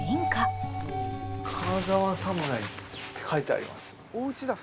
金沢武士団って書いてあります。